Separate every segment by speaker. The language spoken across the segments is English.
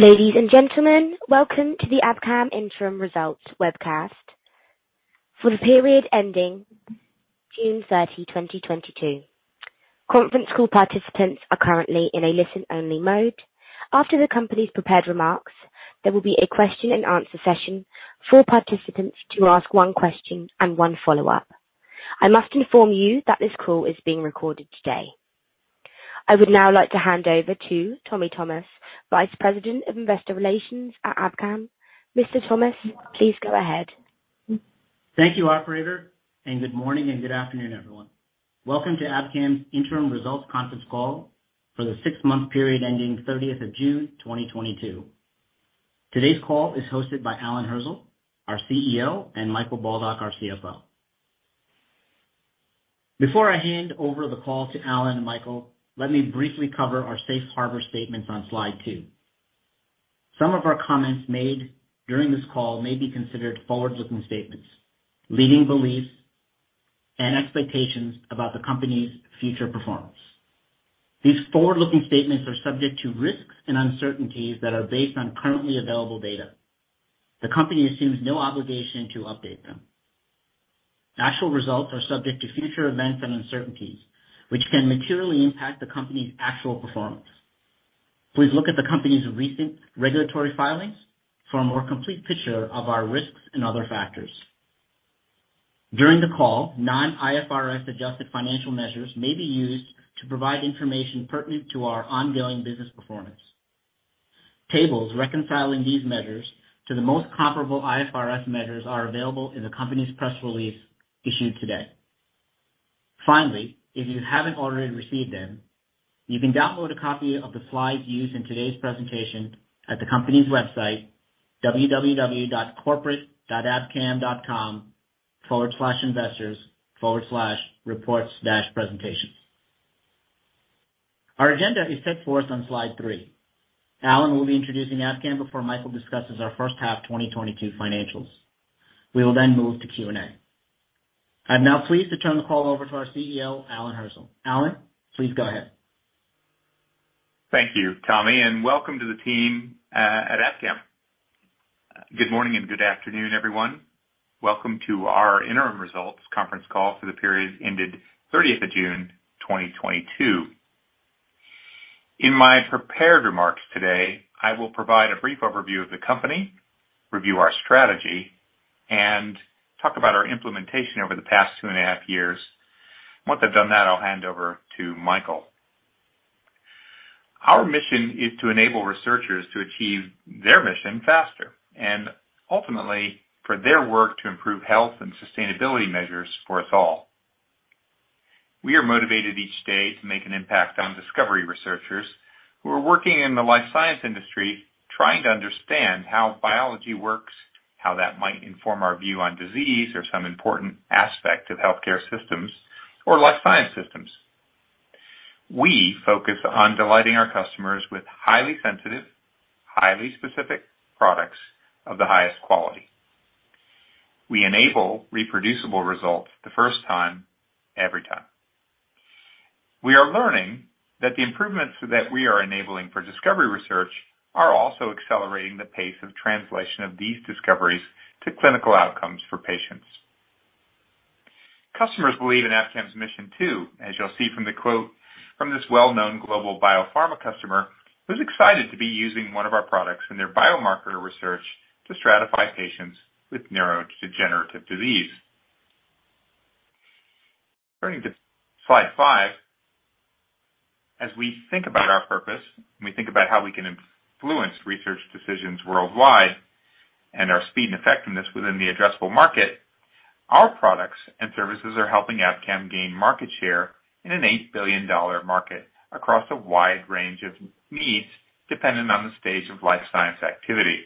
Speaker 1: Ladies and gentlemen, welcome to the Abcam Interim Results webcast for the period ending 30 June 2022. Conference call participants are currently in a listen-only mode. After the company's prepared remarks, there will be a question and answer session for participants to ask one question and one follow-up. I must inform you that this call is being recorded today. I would now like to hand over to Tommy Thomas, Vice President of Investor Relations at Abcam. Mr. Thomas, please go ahead.
Speaker 2: Thank you, operator, and good morning and good afternoon, everyone. Welcome to Abcam's Interim Results conference call for the six-month period ending 30 June, 2022. Today's call is hosted by Alan Hirzel, our CEO, and Michael Baldock, our CFO. Before I hand over the call to Alan and Michael, let me briefly cover our safe harbor statements on slide two. Some of our comments made during this call may be considered forward-looking statements, leading beliefs and expectations about the company's future performance. These forward-looking statements are subject to risks and uncertainties that are based on currently available data. The company assumes no obligation to update them. Actual results are subject to future events and uncertainties, which can materially impact the company's actual performance. Please look at the company's recent regulatory filings for a more complete picture of our risks and other factors. During the call, non-IFRS adjusted financial measures may be used to provide information pertinent to our ongoing business performance. Tables reconciling these measures to the most comparable IFRS measures are available in the company's press release issued today. Finally, if you haven't already received them, you can download a copy of the slides used in today's presentation at the company's website, www.corporate.abcam.com/investors/reports-presentations. Our agenda is set forth on slide 3. Alan will be introducing Abcam before Michael discusses our first half 2022 financials. We will then move to Q&A. I'm now pleased to turn the call over to our CEO, Alan Hirzel. Alan, please go ahead.
Speaker 3: Thank you, Tommy, and welcome to the team at Abcam. Good morning and good afternoon, everyone. Welcome to our interim results conference call for the period ended 30 June, 2022. In my prepared remarks today, I will provide a brief overview of the company, review our strategy, and talk about our implementation over the past two and a half years. Once I've done that, I'll hand over to Michael. Our mission is to enable researchers to achieve their mission faster and ultimately for their work to improve health and sustainability measures for us all. We are motivated each day to make an impact on discovery researchers who are working in the life science industry, trying to understand how biology works, how that might inform our view on disease or some important aspect of healthcare systems or life science systems. We focus on delighting our customers with highly sensitive, highly specific products of the highest quality. We enable reproducible results the first time, every time. We are learning that the improvements that we are enabling for discovery research are also accelerating the pace of translation of these discoveries to clinical outcomes for patients. Customers believe in Abcam's mission too, as you'll see from the quote from this well-known global biopharma customer who's excited to be using one of our products in their biomarker research to stratify patients with neurodegenerative disease. Turning to slide 5. As we think about our purpose, we think about how we can influence research decisions worldwide and our speed and effectiveness within the addressable market. Our products and services are helping Abcam gain market share in an $8 billion market across a wide range of needs, dependent on the stage of life science activity.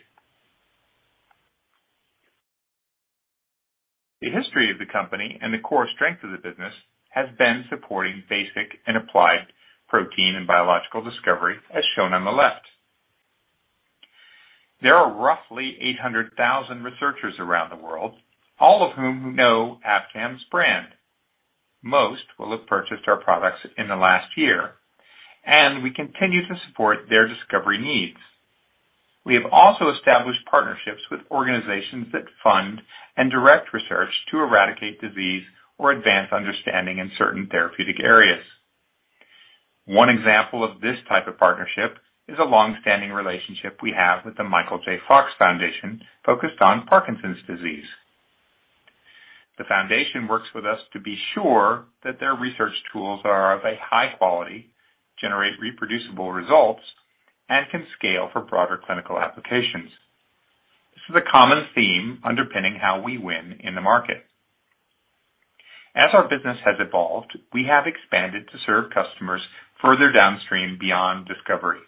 Speaker 3: The history of the company and the core strength of the business has been supporting basic and applied protein and biological discovery, as shown on the left. There are roughly 800,000 researchers around the world, all of whom know Abcam's brand. Most will have purchased our products in the last year, and we continue to support their discovery needs. We have also established partnerships with organizations that fund and direct research to eradicate disease or advance understanding in certain therapeutic areas. One example of this type of partnership is a long-standing relationship we have with the Michael J. Fox Foundation, focused on Parkinson's disease. The foundation works with us to be sure that their research tools are of a high quality, generate reproducible results, and can scale for broader clinical applications. This is a common theme underpinning how we win in the market. As our business has evolved, we have expanded to serve customers further downstream beyond discovery.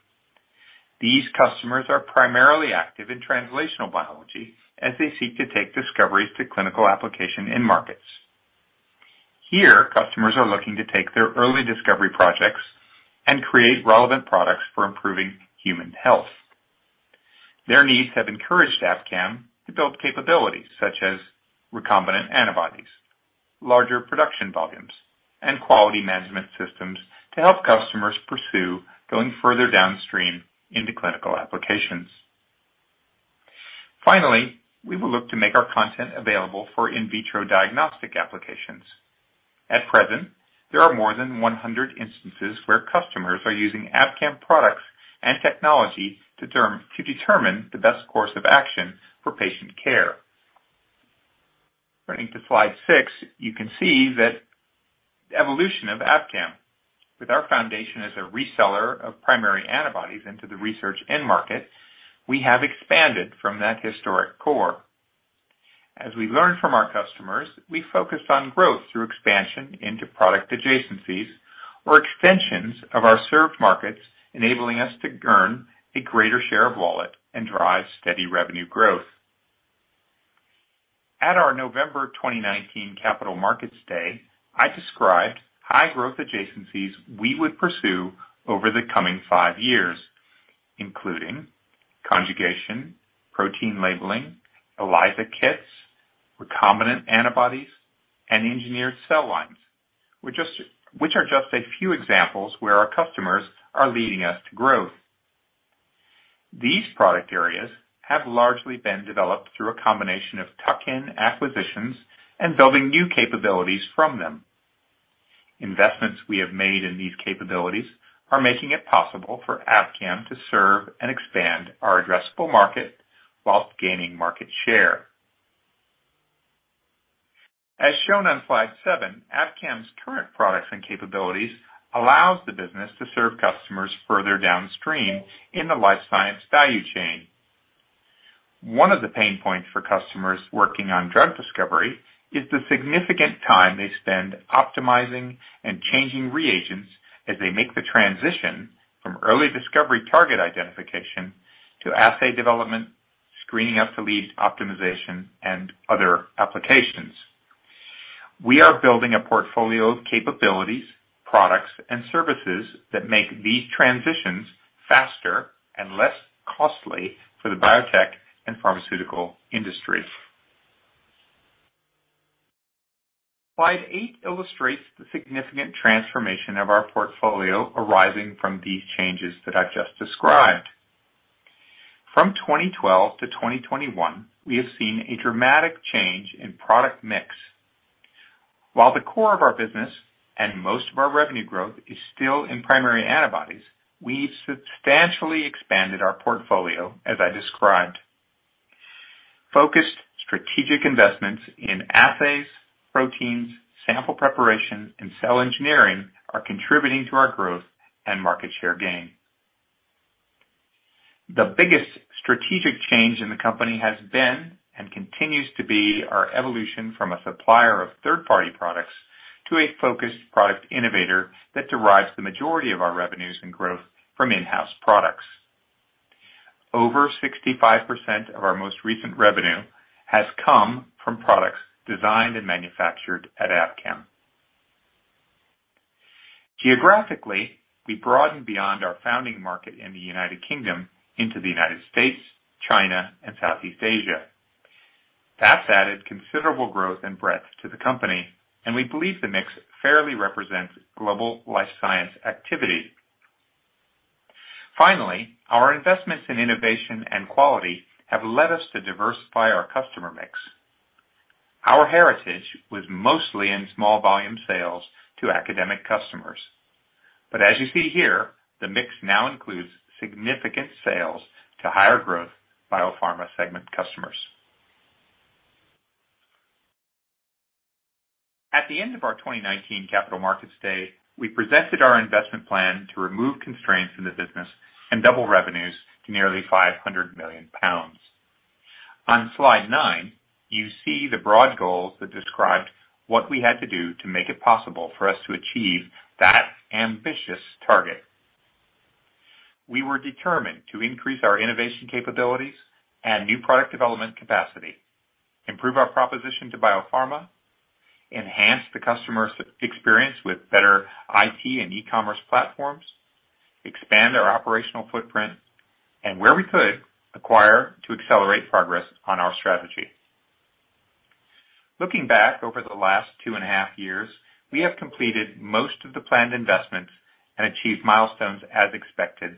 Speaker 3: These customers are primarily active in translational biology as they seek to take discoveries to clinical application in markets. Here, customers are looking to take their early discovery projects and create relevant products for improving human health. Their needs have encouraged Abcam to build capabilities such as recombinant antibodies, larger production volumes and quality management systems to help customers pursue going further downstream into clinical applications. Finally, we will look to make our content available for in vitro diagnostic applications. At present, there are more than 100 instances where customers are using Abcam products and technology to determine the best course of action for patient care. Turning to slide 6, you can see that evolution of Abcam with our foundation as a reseller of primary antibodies into the research end market, we have expanded from that historic core. As we learn from our customers, we focused on growth through expansion into product adjacencies or extensions of our served markets, enabling us to earn a greater share of wallet and drive steady revenue growth. At our November 2019 capital markets day, I described high growth adjacencies we would pursue over the coming 5 years, including conjugation, protein labeling, ELISA kits, recombinant antibodies, and engineered cell lines. Which are just a few examples where our customers are leading us to growth. These product areas have largely been developed through a combination of tuck-in acquisitions and building new capabilities from them. Investments we have made in these capabilities are making it possible for Abcam to serve and expand our addressable market while gaining market share. As shown on slide 7, Abcam's current products and capabilities allows the business to serve customers further downstream in the life science value chain. One of the pain points for customers working on drug discovery is the significant time they spend optimizing and changing reagents as they make the transition from early discovery target identification to assay development, screening up to lead optimization and other applications. We are building a portfolio of capabilities, products, and services that make these transitions faster and less costly for the biotech and pharmaceutical industry. Slide eight illustrates the significant transformation of our portfolio arising from these changes that I've just described. From 2012 to 2021, we have seen a dramatic change in product mix. While the core of our business and most of our revenue growth is still in primary antibodies, we substantially expanded our portfolio, as I described. Focused strategic investments in assays, proteins, sample preparation, and cell engineering are contributing to our growth and market share gain. The biggest strategic change in the company has been and continues to be our evolution from a supplier of third-party products to a focused product innovator that derives the majority of our revenues and growth from in-house products. Over 65% of our most recent revenue has come from products designed and manufactured at Abcam. Geographically, we broadened beyond our founding market in the United Kingdom into the United States, China, and Southeast Asia. That's added considerable growth and breadth to the company, and we believe the mix fairly represents global life science activity. Finally, our investments in innovation and quality have led us to diversify our customer mix. Our heritage was mostly in small volume sales to academic customers, but as you see here, the mix now includes significant sales to higher growth biopharma segment customers. At the end of our 2019 capital markets day, we presented our investment plan to remove constraints in the business and double revenues to nearly 500 million pounds. On slide nine, you see the broad goals that described what we had to do to make it possible for us to achieve that ambitious target. We were determined to increase our innovation capabilities and new product development capacity, improve our proposition to biopharma, enhance the customer experience with better IT and e-commerce platforms, expand our operational footprint, and where we could, acquire to accelerate progress on our strategy. Looking back over the last two and a half years, we have completed most of the planned investments and achieved milestones as expected.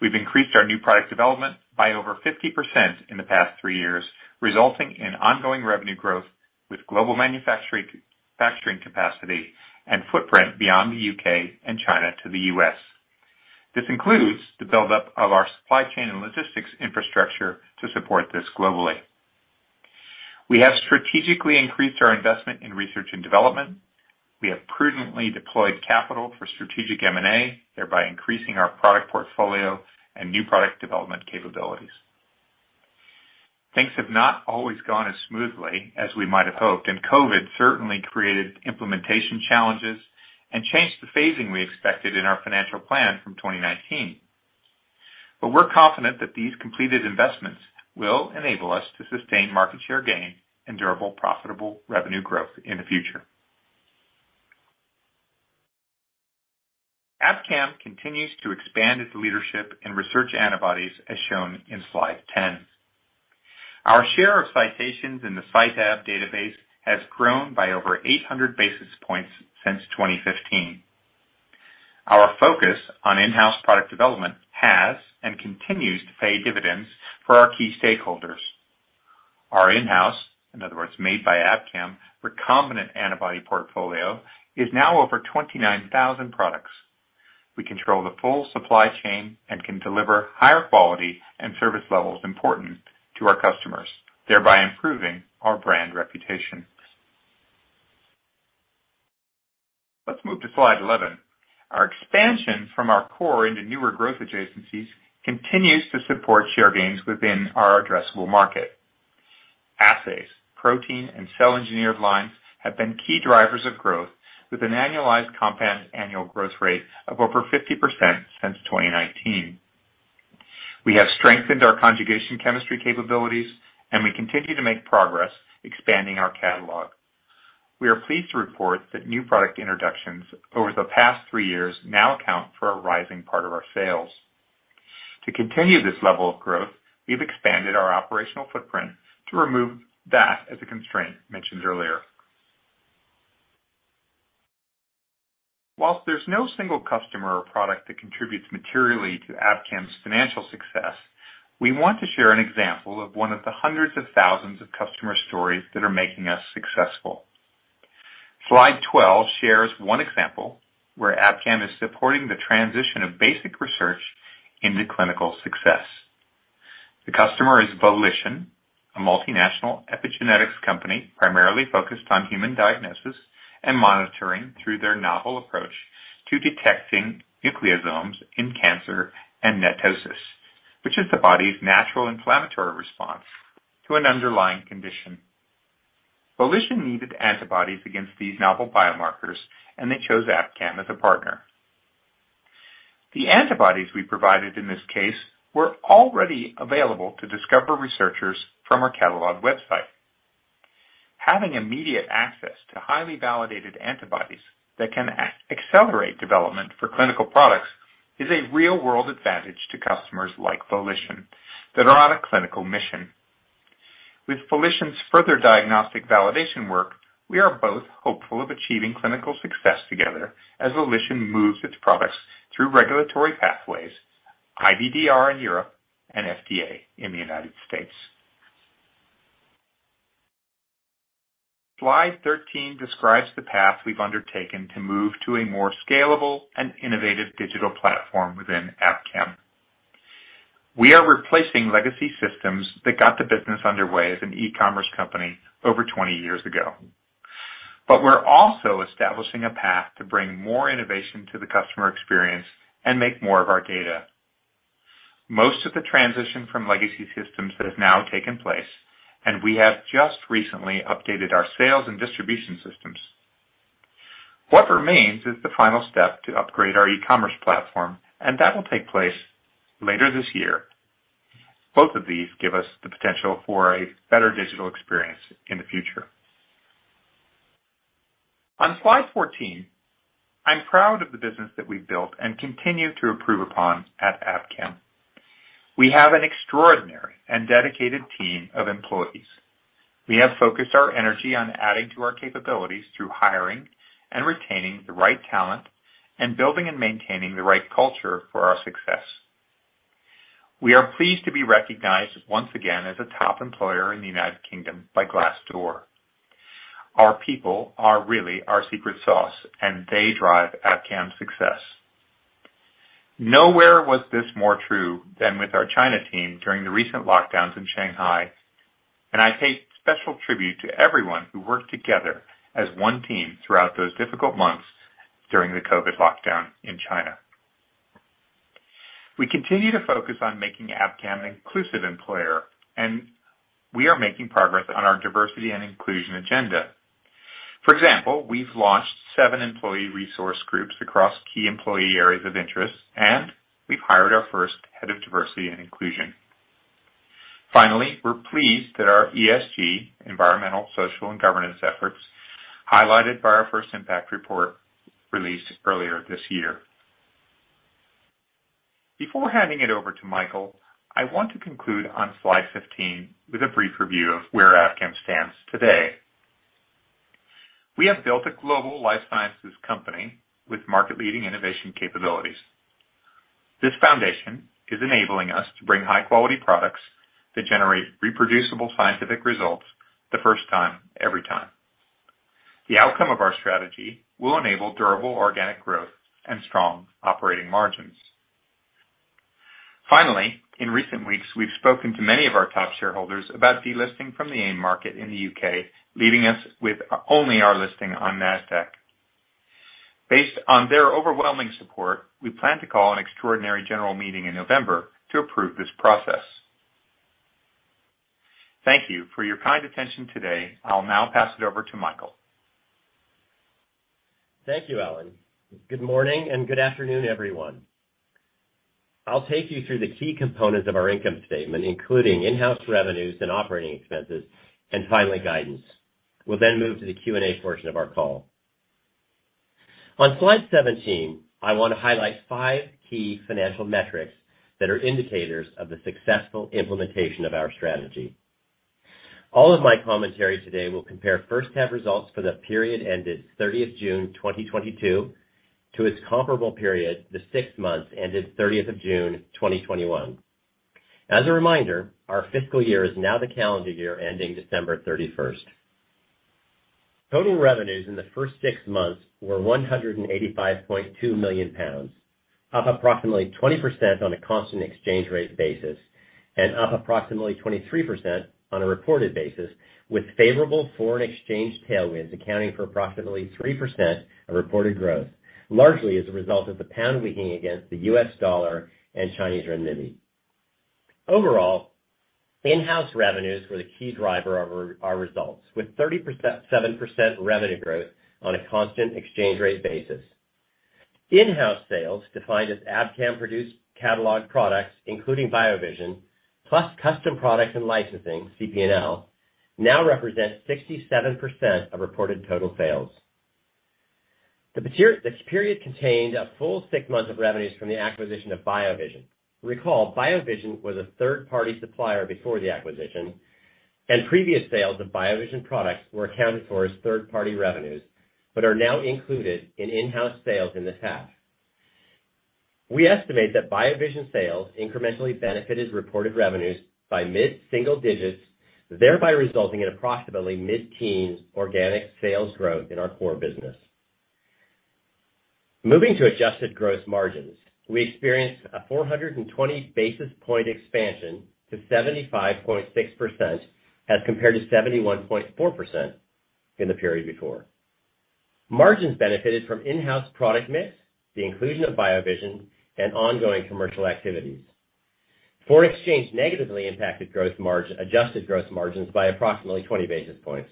Speaker 3: We've increased our new product development by over 50% in the past three years, resulting in ongoing revenue growth with global manufacturing capacity and footprint beyond the UK and China to the US. This includes the buildup of our supply chain and logistics infrastructure to support this globally. We have strategically increased our investment in research and development. We have prudently deployed capital for strategic M&A, thereby increasing our product portfolio and new product development capabilities. Things have not always gone as smoothly as we might have hoped, and COVID certainly created implementation challenges and changed the phasing we expected in our financial plan from 2019. We're confident that these completed investments will enable us to sustain market share gain and durable, profitable revenue growth in the future. Abcam continues to expand its leadership in research antibodies, as shown in slide 10. Our share of citations in the CiteAb database has grown by over 800 basis points since 2015. Our focus on in-house product development has and continues to pay dividends for our key stakeholders. Our in-house, in other words, made by Abcam, recombinant antibody portfolio is now over 29,000 products. We control the full supply chain and can deliver higher quality and service levels important to our customers, thereby improving our brand reputation. Let's move to slide 11. Our expansion from our core into newer growth adjacencies continues to support share gains within our addressable market. Assays, protein, and cell-engineered lines have been key drivers of growth with an annualized compound annual growth rate of over 50% since 2019. We have strengthened our conjugation chemistry capabilities, and we continue to make progress expanding our catalog. We are pleased to report that new product introductions over the past 3 years now account for a rising part of our sales. To continue this level of growth, we've expanded our operational footprint to remove that as a constraint mentioned earlier. While there's no single customer or product that contributes materially to Abcam's financial success, we want to share an example of one of the hundreds of thousands of customer stories that are making us successful. Slide 12 shares one example where Abcam is supporting the transition of basic research into clinical success. The customer is Volition, a multinational epigenetics company primarily focused on human diagnosis and monitoring through their novel approach to detecting nucleosomes in cancer and netosis, which is the body's natural inflammatory response to an underlying condition. Volition needed antibodies against these novel biomarkers, and they chose Abcam as a partner. The antibodies we provided in this case were already available to discovery researchers from our catalog website. Having immediate access to highly validated antibodies that can accelerate development for clinical products is a real-world advantage to customers like Volition that are on a clinical mission. With Volition's further diagnostic validation work, we are both hopeful of achieving clinical success together as Volition moves its products through regulatory pathways, IVDR in Europe, and FDA in the United States. Slide 13 describes the path we've undertaken to move to a more scalable and innovative digital platform within Abcam. We are replacing legacy systems that got the business underway as an e-commerce company over 20 years ago. We're also establishing a path to bring more innovation to the customer experience and make more of our data. Most of the transition from legacy systems that have now taken place, and we have just recently updated our sales and distribution systems. What remains is the final step to upgrade our e-commerce platform, and that will take place later this year. Both of these give us the potential for a better digital experience in the future. On slide 14, I'm proud of the business that we've built and continue to improve upon at Abcam. We have an extraordinary and dedicated team of employees. We have focused our energy on adding to our capabilities through hiring and retaining the right talent and building and maintaining the right culture for our success. We are pleased to be recognized once again as a top employer in the United Kingdom by Glassdoor. Our people are really our secret sauce, and they drive Abcam's success. Nowhere was this more true than with our China team during the recent lockdowns in Shanghai, and I pay special tribute to everyone who worked together as one team throughout those difficult months during the COVID lockdown in China. We continue to focus on making Abcam an inclusive employer, and we are making progress on our diversity and inclusion agenda. For example, we've launched seven employee resource groups across key employee areas of interest, and we've hired our first head of diversity and inclusion. Finally, we're pleased that our ESG, environmental, social, and governance efforts, highlighted by our first impact report released earlier this year. Before handing it over to Michael, I want to conclude on slide 15 with a brief review of where Abcam stands today. We have built a global life sciences company with market-leading innovation capabilities. This foundation is enabling us to bring high-quality products that generate reproducible scientific results the first time, every time. The outcome of our strategy will enable durable organic growth and strong operating margins. Finally, in recent weeks, we've spoken to many of our top shareholders about delisting from the AIM market in the UK, leaving us with only our listing on Nasdaq. Based on their overwhelming support, we plan to call an extraordinary general meeting in November to approve this process. Thank you for your kind attention today. I'll now pass it over to Michael.
Speaker 4: Thank you, Alan. Good morning and good afternoon, everyone. I'll take you through the key components of our income statement, including in-house revenues and operating expenses, and finally, guidance. We'll then move to the Q&A portion of our call. On slide 17, I wanna highlight 5 key financial metrics that are indicators of the successful implementation of our strategy. All of my commentary today will compare first half results for the period ended 30 June 2022 to its comparable period, the six months ended 30 June 2021. As a reminder, our fiscal year is now the calendar year ending December 31. Total revenues in the first six months were 185.2 million pounds, up approximately 20% on a constant exchange rate basis, and up approximately 23% on a reported basis, with favorable foreign exchange tailwinds accounting for approximately 3% of reported growth, largely as a result of the pound weakening against the US dollar and Chinese renminbi. Overall, in-house revenues were the key driver of our results, with 7% revenue growth on a constant exchange rate basis. In-house sales, defined as Abcam-produced catalog products, including BioVision, plus custom products and licensing, CP&L, now represent 67% of reported total sales. The period contained a full six months of revenues from the acquisition of BioVision. Recall, BioVision was a third-party supplier before the acquisition, and previous sales of BioVision products were accounted for as third-party revenues, but are now included in in-house sales in this half. We estimate that BioVision sales incrementally benefited reported revenues by mid-single digits, thereby resulting in approximately mid-teens organic sales growth in our core business. Moving to adjusted gross margins, we experienced a 420 basis point expansion to 75.6% as compared to 71.4% in the period before. Margins benefited from in-house product mix, the inclusion of BioVision, and ongoing commercial activities. Foreign exchange negatively impacted adjusted gross margins by approximately 20 basis points.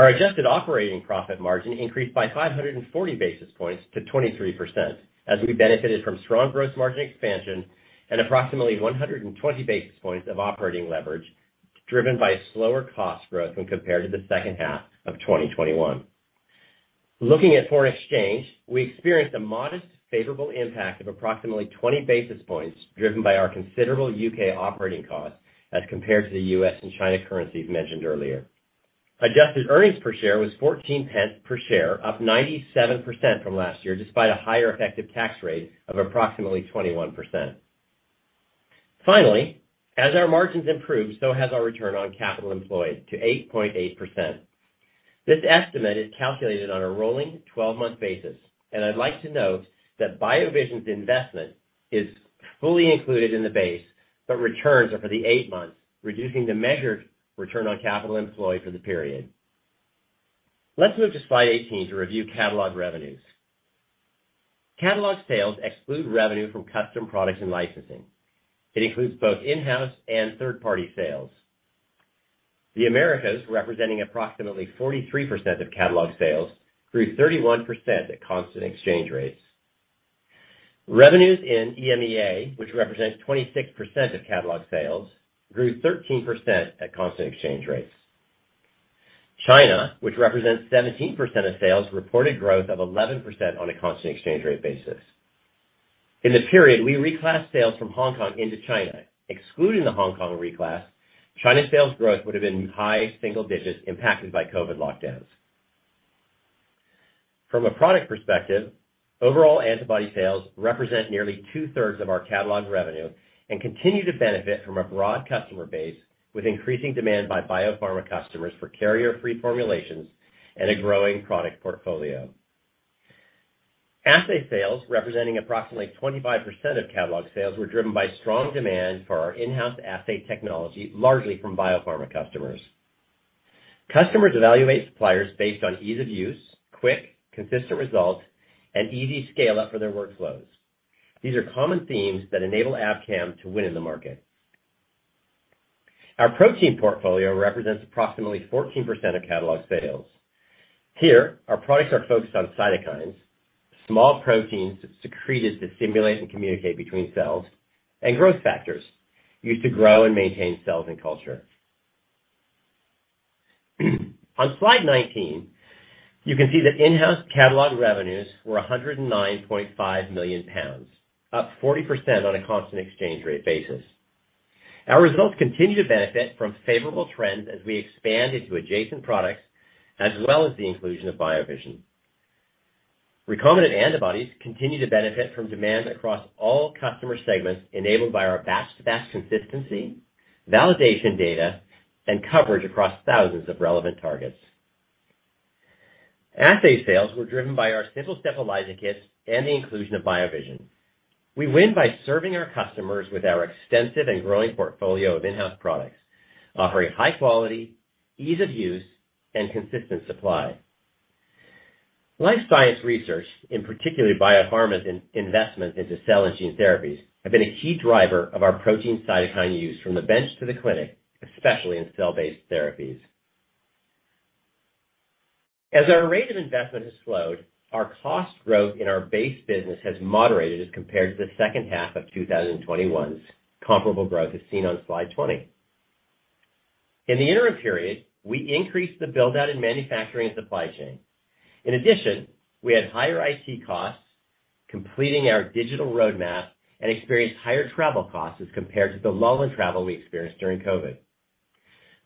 Speaker 4: Our adjusted operating profit margin increased by 540 basis points to 23% as we benefited from strong gross margin expansion and approximately 120 basis points of operating leverage driven by slower cost growth when compared to the second half of 2021. Looking at foreign exchange, we experienced a modest favorable impact of approximately 20 basis points driven by our considerable UK operating costs as compared to the U.S. and China currencies mentioned earlier. Adjusted earnings per share was 14 pence per share, up 97% from last year, despite a higher effective tax rate of approximately 21%. Finally, as our margins improve, so has our return on capital employed to 8.8%. This estimate is calculated on a rolling 12-month basis, and I'd like to note that BioVision's investment is fully included in the base, but returns are for the 8 months, reducing the measured return on capital employed for the period. Let's move to slide 18 to review catalog revenues. Catalog sales exclude revenue from custom products and licensing. It includes both in-house and third-party sales. The Americas, representing approximately 43% of catalog sales, grew 31% at constant exchange rates. Revenues in EMEA, which represents 26% of catalog sales, grew 13% at constant exchange rates. China, which represents 17% of sales, reported growth of 11% on a constant exchange rate basis. In the period, we reclassed sales from Hong Kong into China. Excluding the Hong Kong reclass, China sales growth would've been high single digits impacted by COVID lockdowns. From a product perspective, overall antibody sales represent nearly 2/3 of our catalog revenue and continue to benefit from a broad customer base with increasing demand by biopharma customers for carrier-free formulations and a growing product portfolio. Assay sales, representing approximately 25% of catalog sales, were driven by strong demand for our in-house assay technology, largely from biopharma customers. Customers evaluate suppliers based on ease of use, quick, consistent results, and easy scale-up for their workflows. These are common themes that enable Abcam to win in the market. Our protein portfolio represents approximately 14% of catalog sales. Here, our products are focused on cytokines, small proteins that's secreted to stimulate and communicate between cells, and growth factors used to grow and maintain cells in culture. On slide 19, you can see that in-house catalog revenues were 109.5 million pounds, up 40% on a constant exchange rate basis. Our results continue to benefit from favorable trends as we expand into adjacent products, as well as the inclusion of BioVision. Recombinant antibodies continue to benefit from demand across all customer segments enabled by our batch to batch consistency, validation data, and coverage across thousands of relevant targets. Assay sales were driven by our SimpleStep ELISA kits and the inclusion of BioVision. We win by serving our customers with our extensive and growing portfolio of in-house products, offering high quality, ease of use, and consistent supply. Life science research, in particular biopharma's investment into cell and gene therapies, have been a key driver of our protein and cytokine use from the bench to the clinic, especially in cell-based therapies.
Speaker 3: As our rate of investment has slowed, our cost growth in our base business has moderated as compared to the second half of 2021's comparable growth as seen on slide 20. In the interim period, we increased the build-out in manufacturing and supply chain. In addition, we had higher IT costs, completing our digital roadmap and experienced higher travel costs as compared to the lull in travel we experienced during COVID.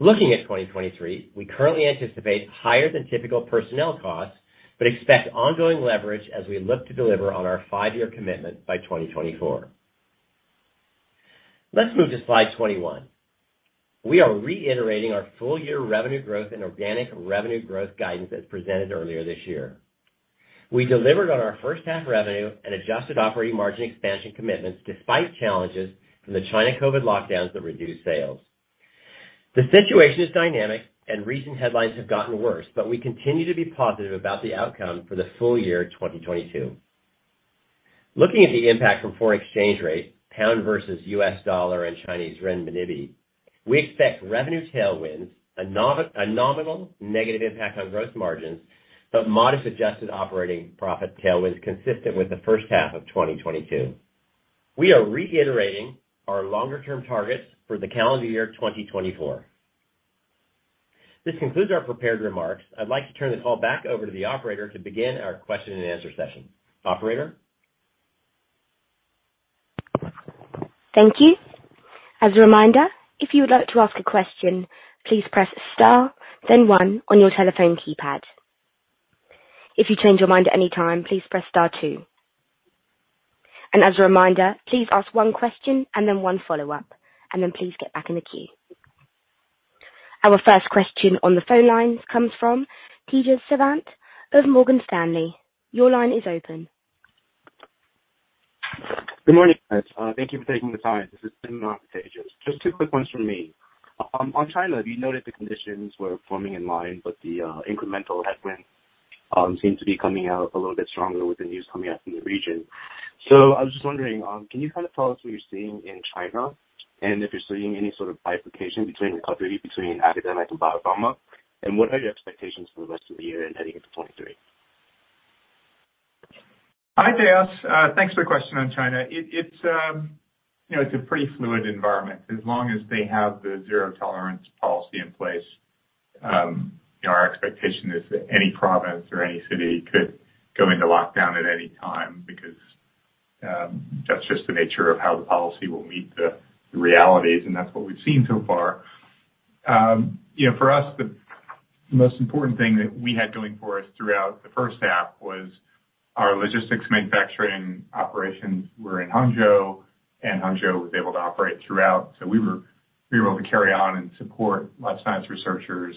Speaker 3: Looking at 2023, we currently anticipate higher than typical personnel costs, but expect ongoing leverage as we look to deliver on our five-year commitment by 2024. Let's move to slide 21. We are reiterating our full year revenue growth and organic revenue growth guidance as presented earlier this year. We delivered on our first half revenue and adjusted operating margin expansion commitments despite challenges from the China COVID lockdowns that reduced sales. The situation is dynamic and recent headlines have gotten worse, but we continue to be positive about the outcome for the full year 2022. Looking at the impact from foreign exchange rates, pound versus US dollar and Chinese renminbi, we expect revenue tailwinds, a nominal negative impact on gross margins, but modest adjusted operating profit tailwinds consistent with the first half of 2022. We are reiterating our longer-term targets for the calendar year 2024. This concludes our prepared remarks. I'd like to turn the call back over to the operator to begin our question and answer session. Operator?
Speaker 1: Thank you. As a reminder, if you would like to ask a question, please press star then one on your telephone keypad. If you change your mind at any time, please press star two. As a reminder, please ask one question and then one follow-up, and then please get back in the queue. Our first question on the phone lines comes from Tejas Savant of Morgan Stanley. Your line is open.
Speaker 5: Good morning, guys. Thank you for taking the time. This is Tejas. Just two quick ones from me. On China, we know that the conditions were forming in line, but the incremental headwinds seem to be coming out a little bit stronger with the news coming out from the region. I was just wondering, can you kind of tell us what you're seeing in China, and if you're seeing any sort of bifurcation between recovery between academic and biopharma, and what are your expectations for the rest of the year and heading into 2023?
Speaker 3: Hi, Tejas. Thanks for the question on China. It's a pretty fluid environment. As long as they have the zero-tolerance policy in place, our expectation is that any province or any city could go into lockdown at any time because that's just the nature of how the policy will meet the realities, and that's what we've seen so far. For us, the most important thing that we had going for us throughout the first half was our logistics manufacturing operations were in Hangzhou, and Hangzhou was able to operate throughout. We were able to carry on and support life science researchers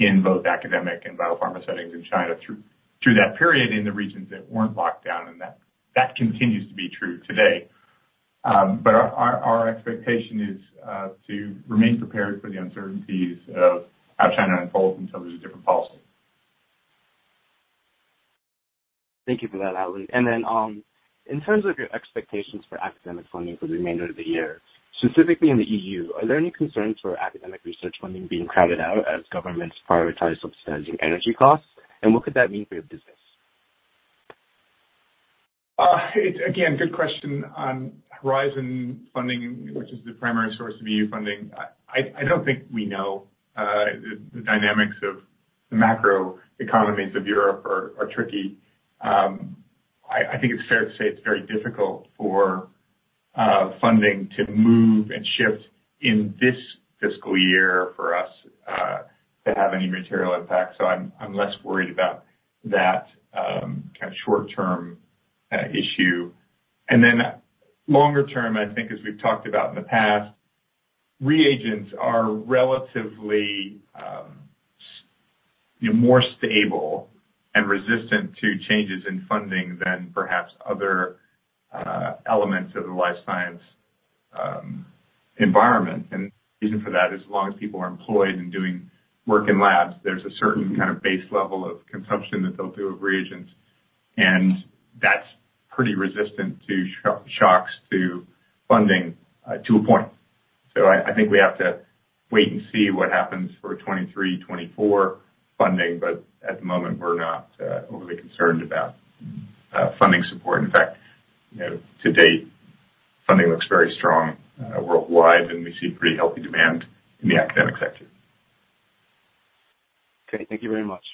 Speaker 3: in both academic and biopharma settings in China through that period in the regions that weren't locked down, and that continues to be true today. Our expectation is to remain prepared for the uncertainties of how China unfolds until there's a different policy.
Speaker 5: Thank you for that, Alan. Then, in terms of your expectations for academic funding for the remainder of the year, specifically in the EU, are there any concerns for academic research funding being crowded out as governments prioritize subsidizing energy costs? What could that mean for your business?
Speaker 3: It's again good question on Horizon Europe, which is the primary source of EU funding. I don't think we know the dynamics of the macroeconomies of Europe are tricky. I think it's fair to say it's very difficult for funding to move and shift in this fiscal year for us to have any material impact. So I'm less worried about that kind of short term issue. Then longer term, I think as we've talked about in the past, reagents are relatively, more stable and resistant to changes in funding than perhaps other elements of the life science environment. The reason for that is as long as people are employed and doing work in labs, there's a certain kind of base level of consumption that they'll do of reagents, and that's pretty resistant to shocks to funding, to a point. I think we have to wait and see what happens for 2023, 2024 funding, but at the moment we're not overly concerned about funding support. In fact, to date, funding looks very strong worldwide, and we see pretty healthy demand in the academic sector.
Speaker 5: Okay. Thank you very much.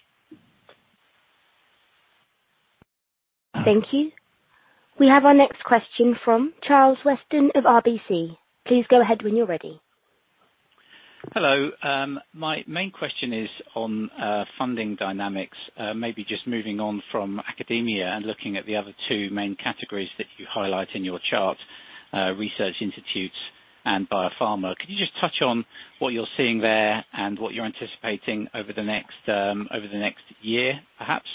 Speaker 1: Thank you. We have our next question from Charles Weston of RBC. Please go ahead when you're ready.
Speaker 6: Hello. My main question is on funding dynamics. Maybe just moving on from academia and looking at the other two main categories that you highlight in your chart, research institutes and biopharma. Could you just touch on what you're seeing there and what you're anticipating over the next year, perhaps?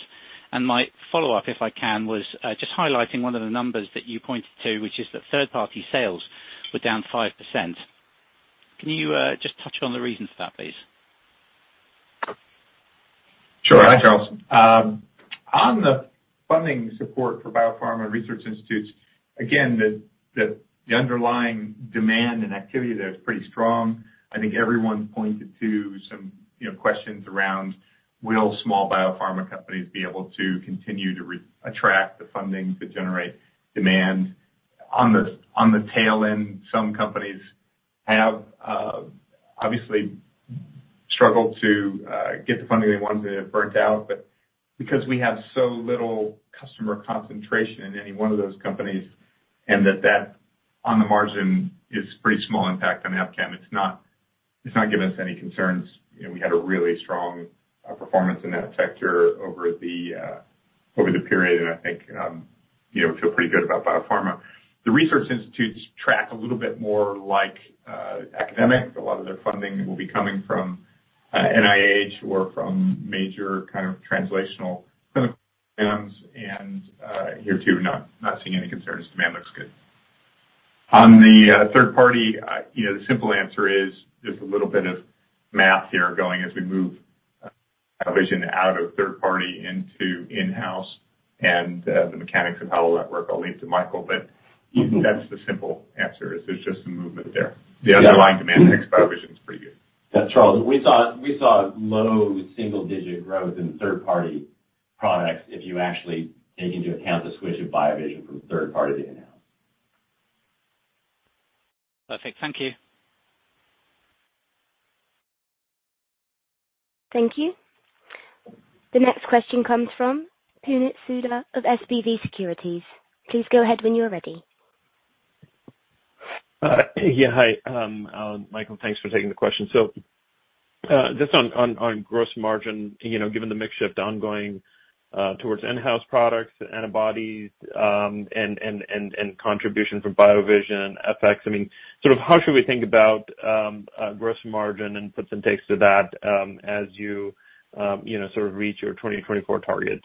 Speaker 6: My follow-up, if I can, was just highlighting one of the numbers that you pointed to, which is that third party sales were down 5%. Can you just touch on the reasons for that, please?
Speaker 3: Sure. Hi, Charles. On the funding support for biopharma research institutes, again, the underlying demand and activity there is pretty strong. I think everyone's pointed to some, questions around will small biopharma companies be able to continue to re-attract the funding to generate demand. On the tail end, some companies have obviously struggled to get the funding they wanted. They have burnt out. But because we have so little customer concentration in any one of those companies, and that on the margin is pretty small impact on Abcam, it's not giving us any concerns. We had a really strong performance in that sector over the period. I think, feel pretty good about biopharma. The research institutes track a little bit more like academics. A lot of their funding will be coming from NIH or from major kind of translational clinical programs. Here too, not seeing any concerns. Demand looks good. On the third party, the simple answer is there's a little bit of math here going as we move BioVision out of third party into in-house and the mechanics of how will that work, I'll leave to Michael. That's the simple answer is there's just some movement there. The underlying demand ex BioVision is pretty good.
Speaker 4: Charles, we saw low single-digit growth in third-party products if you actually take into account the switch of BioVision from third-party to in-house. Perfect. Thank you.
Speaker 1: Thank you. The next question comes from Puneet Souda of SVB Securities. Please go ahead when you are ready.
Speaker 7: Hi, Michael, thanks for taking the question. Just on gross margin, given the mix shift ongoing towards in-house products, antibodies, and contribution from BioVision effects, I mean, sort of how should we think about gross margin and puts and takes to that, sort of reach your 2024 targets?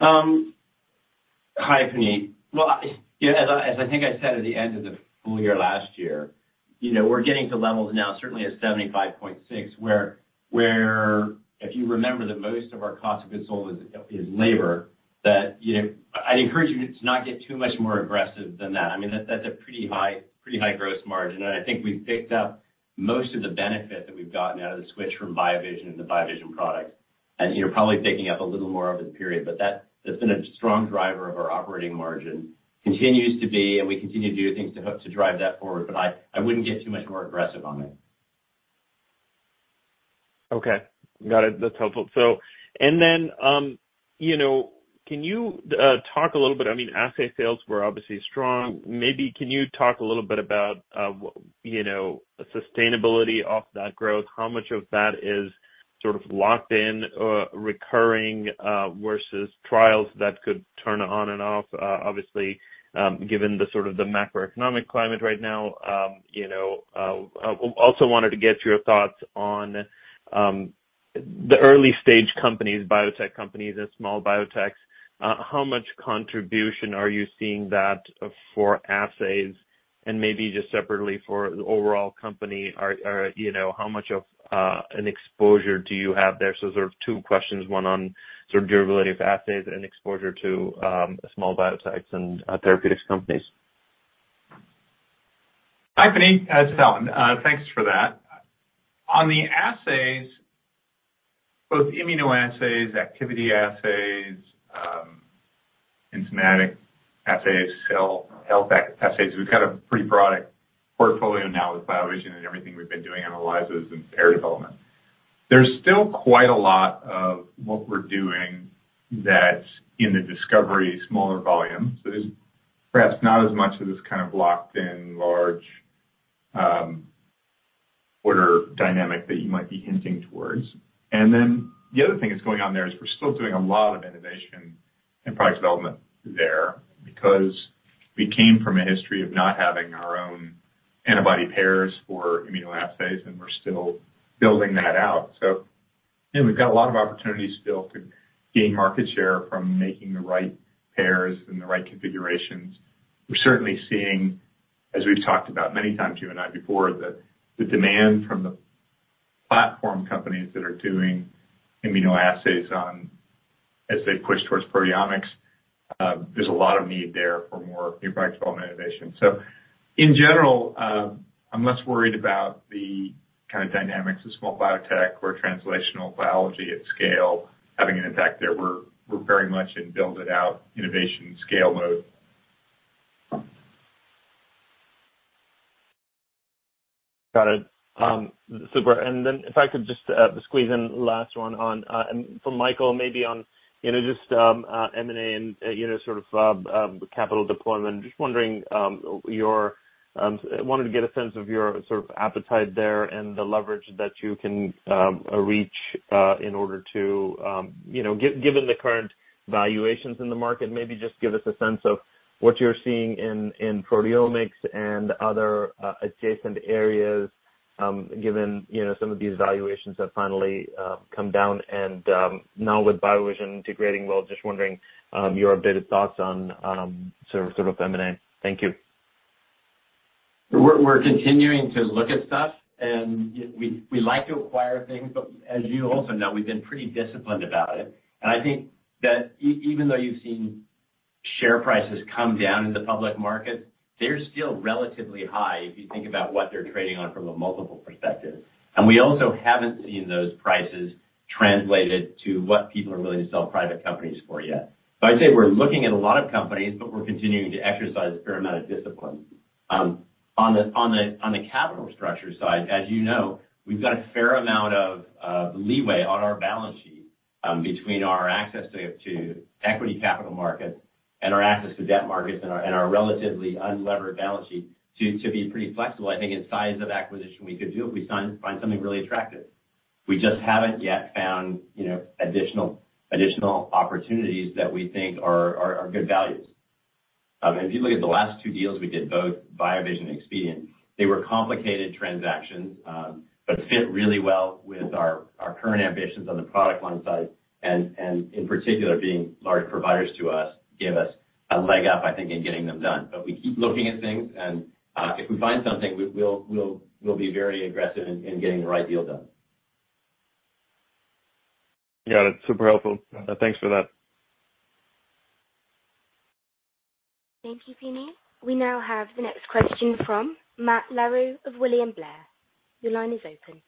Speaker 4: Hi, Puneet. Well, as I think I said at the end of the full year last year, we're getting to levels now, certainly at 75.6%, where if you remember that most of our cost of goods sold is labor, I'd encourage you to not get too much more aggressive than that. I mean, that's a pretty high gross margin. I think we've picked up most of the benefit that we've gotten out of the switch from BioVision and the BioVision products, and you're probably picking up a little more over the period. That's been a strong driver of our operating margin, continues to be, and we continue to do things to drive that forward. I wouldn't get too much more aggressive on it.
Speaker 7: Okay. Got it. That's helpful. Can you talk a little bit? I mean, assay sales were obviously strong. Maybe can you talk a little bit about, sustainability of that growth? How much of that is sort of locked in recurring versus trials that could turn on and off? Obviously, given the macroeconomic climate right now, I also wanted to get your thoughts on the early stage companies, biotech companies and small biotechs. How much contribution are you seeing there for assays and maybe just separately for the overall company, how much of an exposure do you have there? Sort of two questions, one on sort of durability of assays and exposure to small biotechs and therapeutics companies.
Speaker 3: Hi, Puneet. It's Alan. Thanks for that. On the assays, both immunoassays, activity assays, enzymatic assays, cell health assays, we've got a pretty broad portfolio now with BioVision and everything we've been doing on ELISAs and pair development. There's still quite a lot of what we're doing that's in the discovery smaller volumes. There's perhaps not as much of this kind of locked in large order dynamic that you might be hinting towards. The other thing that's going on there is we're still doing a lot of innovation and product development there because we came from a history of not having our own antibody pairs for immunoassays, and we're still building that out. We've got a lot of opportunities still to gain market share from making the right pairs and the right configurations. We're certainly seeing, as we've talked about many times, you and I before, the demand from the platform companies that are doing immunoassays, as they push towards proteomics. There's a lot of need there for more new product development innovation. In general, I'm less worried about the kind of dynamics of small biotech or translational biology at scale having an impact there. We're very much in build-it-out innovation scale mode.
Speaker 7: Got it. Super. If I could just squeeze in last one on and for Michael, maybe on, just M&A and, sort of capital deployment. Just wondering, I wanted to get a sense of your sort of appetite there and the leverage that you can reach in order to, given the current valuations in the market, maybe just give us a sense of what you're seeing in proteomics and other adjacent areas, given, some of these valuations have finally come down and now with BioVision integrating. Well, just wondering your updated thoughts on sort of M&A. Thank you.
Speaker 4: We're continuing to look at stuff and we like to acquire things, but as you also know, we've been pretty disciplined about it. I think that even though you've seen share prices come down in the public market, they're still relatively high if you think about what they're trading on from a multiple perspective. We also haven't seen those prices translated to what people are willing to sell private companies for yet. I'd say we're looking at a lot of companies, but we're continuing to exercise a fair amount of discipline. On the capital structure side, as we've got a fair amount of leeway on our balance sheet between our access to equity capital markets and our access to debt markets and our relatively unlevered balance sheet to be pretty flexible. I think in size of acquisition, we could do if we find something really attractive. We just haven't yet found, additional opportunities that we think are good values. If you look at the last two deals we did, both BioVision and Expedeon, they were complicated transactions, but fit really well with our current ambitions on the product line side, and in particular, being large providers to us, gave us a leg up, I think, in getting them done. We keep looking at things, and if we find something, we'll be very aggressive in getting the right deal done.
Speaker 7: Got it. Super helpful. Thanks for that.
Speaker 1: Thank you, Puneet. We now have the next question from Matt Larew of William Blair. Your line is open.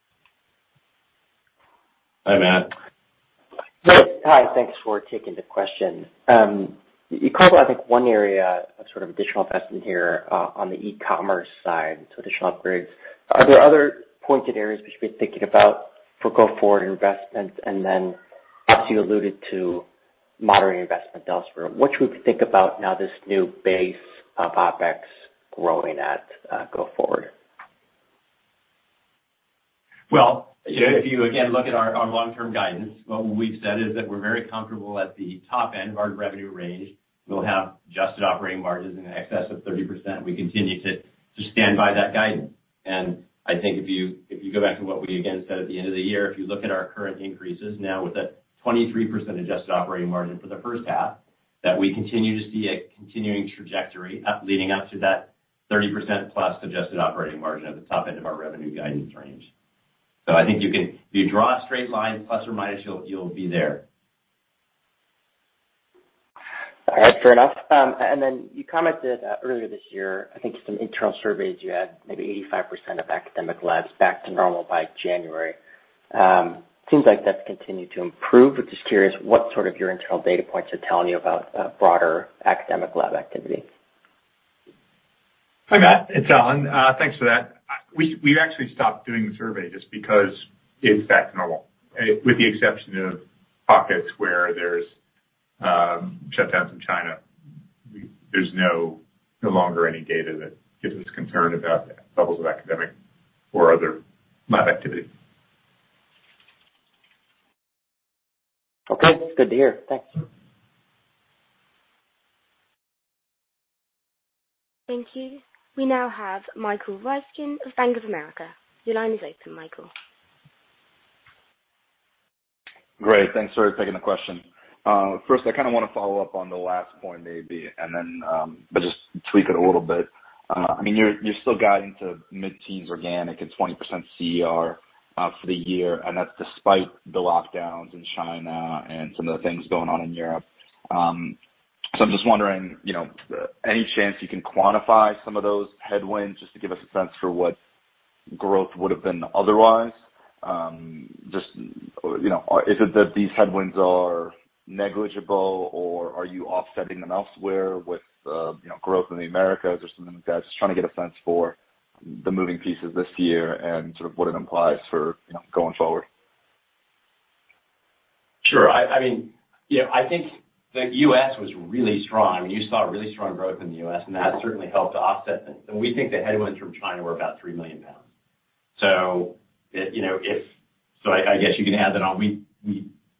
Speaker 4: Hi, Matt.
Speaker 8: Yes. Hi. Thanks for taking the question. You called out, I think, one area of sort of additional investment here, on the e-commerce side, so additional upgrades. Are there other pointed areas we should be thinking about for go forward investments? As you alluded to moderate investment elsewhere, what should we think about now this new base of OpEx growing at, go forward?
Speaker 4: Well, if you again look at our long-term guidance, what we've said is that we're very comfortable at the top end of our revenue range. We'll have adjusted operating margins in excess of 30%. We continue to stand by that guidance. I think if you go back to what we again said at the end of the year, if you look at our current increases now with that 23% adjusted operating margin for the first half, that we continue to see a continuing trajectory up, leading up to that 30%+ adjusted operating margin at the top end of our revenue guidance range. I think you can. If you draw a straight line ±, you'll be there.
Speaker 8: All right. Fair enough. You commented earlier this year, I think some internal surveys you had maybe 85% of academic labs back to normal by January. Seems like that's continued to improve. Just curious what sort of your internal data points are telling you about broader academic lab activity.
Speaker 4: Hi, Matt, it's Alan. Thanks for that. We've actually stopped doing the survey just because it's back to normal. With the exception of pockets where there's shutdowns in China, there's no longer any data that gives us concern about levels of academic or other lab activity.
Speaker 8: Okay. Good to hear. Thanks.
Speaker 1: Thank you. We now have Michael Ryskin of Bank of America. Your line is open, Michael.
Speaker 9: Great. Thanks for taking the question. First I kinda wanna follow up on the last point maybe and then, but just tweak it a little bit. I mean, you're still guiding to mid-teens% organic and 20% CER for the year, and that's despite the lockdowns in China and some of the things going on in Europe. I'm just wondering, any chance you can quantify some of those headwinds just to give us a sense for what growth would've been otherwise? Just, is it that these headwinds are negligible or are you offsetting them elsewhere with, growth in the Americas or something like that? Just trying to get a sense for the moving pieces this year and sort of what it implies for, going forward.
Speaker 4: Sure. I mean, I think the US was really strong. I mean, you saw really strong growth in the US, and that certainly helped to offset things. We think the headwinds from China were about 3 million pounds. I guess you can add that on. We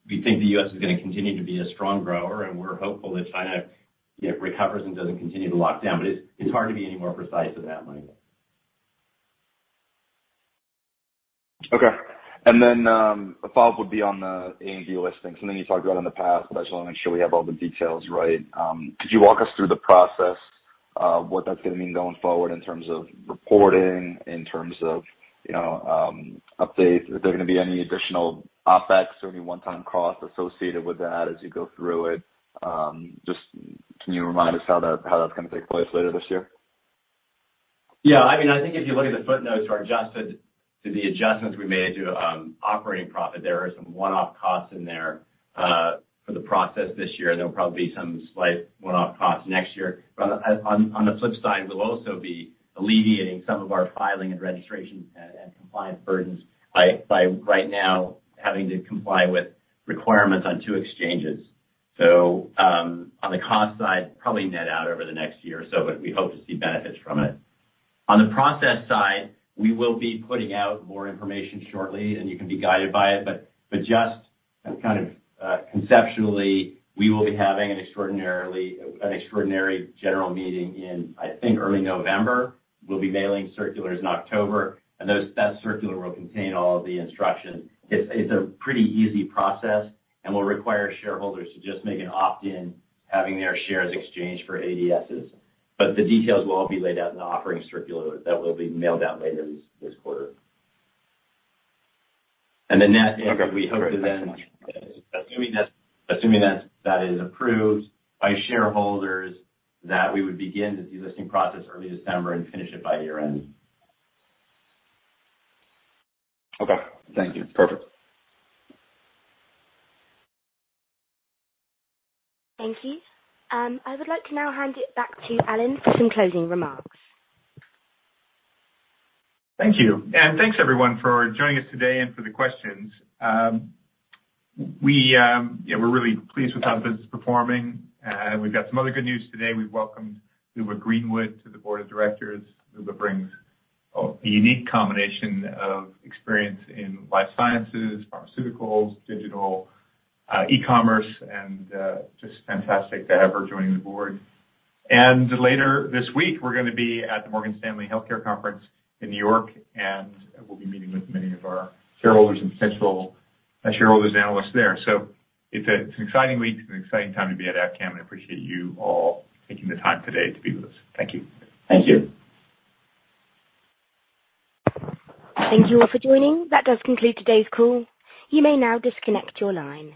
Speaker 4: think the US is gonna continue to be a strong grower, and we're hopeful that China, recovers and doesn't continue to lock down. It's hard to be any more precise at that level.
Speaker 9: Okay. A follow-up would be on the AIM delisting, something you've talked about in the past, but I just wanna make sure we have all the details right. Could you walk us through the process of what that's gonna mean going forward in terms of reporting, in terms of, updates? Is there gonna be any additional OpEx or any one-time cost associated with that as you go through it? Just can you remind us how that's gonna take place later this year?
Speaker 4: I mean, I think if you look at the footnotes to the adjustments we made to operating profit, there are some one-off costs in there for the process this year. There'll probably be some slight one-off costs next year. On the flip side, we'll also be alleviating some of our filing and registration and compliance burdens by no longer having to comply with requirements on two exchanges. On the cost side, probably net out over the next year or so, but we hope to see benefits from it. On the process side, we will be putting out more information shortly, and you can be guided by it. Just kind of conceptually, we will be having an extraordinary general meeting in, I think, early November. We'll be mailing circulars in October, and that circular will contain all of the instructions. It's a pretty easy process and will require shareholders to just make an opt-in, having their shares exchanged for ADSs. The details will all be laid out in the offering circular that will be mailed out later this quarter.
Speaker 9: Okay.
Speaker 4: We hope to then-
Speaker 9: Thanks so much.
Speaker 4: Assuming that that is approved by shareholders, that we would begin the delisting process early December and finish it by year-end.
Speaker 9: Okay. Thank you. Perfect.
Speaker 1: Thank you. I would like to now hand it back to Alan for some closing remarks.
Speaker 3: Thank you. Thanks everyone for joining us today and for the questions. We're really pleased with how the business is performing. We've got some other good news today. We've welcomed Luba Greenwood to the board of directors. Luba brings a unique combination of experience in life sciences, pharmaceuticals, digital, e-commerce, and just fantastic to have her joining the board. Later this week, we're gonna be at the Morgan Stanley Healthcare Conference in New York, and we'll be meeting with many of our shareholders and potential shareholders, analysts there. It's an exciting week. It's an exciting time to be at Abcam, and I appreciate you all taking the time today to be with us. Thank you.
Speaker 8: Thank you.
Speaker 1: Thank you all for joining. That does conclude today's call. You may now disconnect your line.